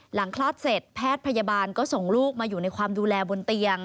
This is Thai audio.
คลอดเสร็จแพทย์พยาบาลก็ส่งลูกมาอยู่ในความดูแลบนเตียง